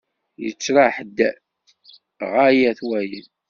Yettraḥ-d ɣaya-t wayen!